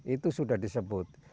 itu sudah disebut